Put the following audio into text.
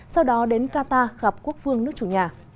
sau đó đến qatar gặp quốc phương nước chủ nhà